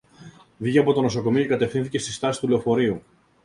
Βγήκε από το νοσοκομείο και κατευθύνθηκε στη στάση του λεωφορείου